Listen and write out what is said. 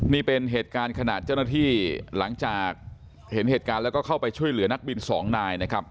นี่เป็นเหตุการณ์ขณะเจ้าหน้าที่หลังจากเห็นเหตุการณ์แล้วก็เข้าไปช่วยเหลือนักบินสองนายนะครับ